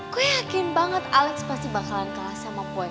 gue yakin banget alex pasti bakalan kalah sama puan